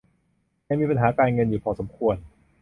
ยังมีปัญหาการเงินอยู่พอสมควร